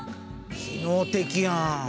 機能的やん。